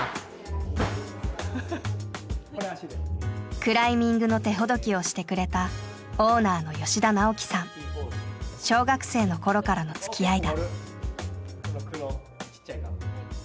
クライミングの手ほどきをしてくれた小学生の頃からのつきあいだ。